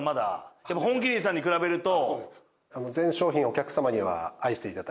やっぱ本麒麟さんに比べると。